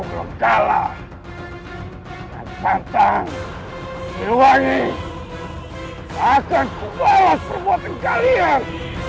belum kalah tak patah di luangi tak akan ku bawas perbuatan kalian